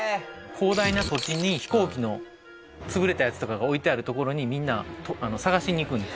広大な土地に飛行機の潰れたやつとかが置いてある所にみんな探しに行くんです。